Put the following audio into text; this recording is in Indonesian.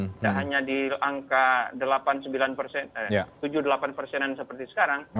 tidak hanya di angka tujuh puluh delapan persenan seperti sekarang